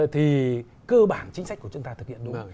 thì cơ bản chính sách của chúng ta thực hiện đúng không